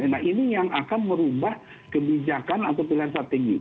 nah ini yang akan merubah kebijakan atau pilihan strategi